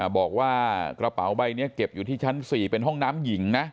บอกว่ากระเป๋าใบนี้เก็บอยู่ที่ชั้น๔เป็นห้องน้ำหญิงนะ